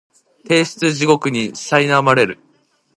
提出地獄にさいなまれる